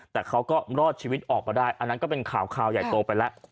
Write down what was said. แต่เขาก็รอดชีวิตออกมาได้อันนั้นก็เป็นข่าวใหญ่โตไปแล้ว